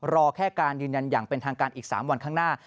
รอแค่การยืนยันอย่างเป็นทางการอีก๓วันข้างหน้า